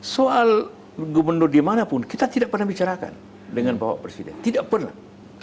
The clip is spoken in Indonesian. soal gubernur dimanapun kita tidak pernah bicarakan dengan bapak presiden tidak pernah